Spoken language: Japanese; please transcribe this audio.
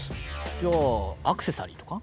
じゃあアクセサリーとか？